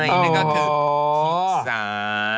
นึกออกถึงธิสา